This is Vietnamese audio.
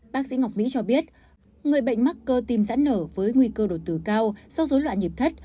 bác sĩ ngọc mỹ cho biết người bệnh mắc cơ tim giãn nở với nguy cơ đột tử cao do dối loạn nhịp thất